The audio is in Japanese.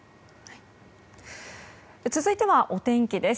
続いてはお天気です。